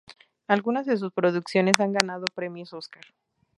Algunas de sus producciones han ganado premios Óscar.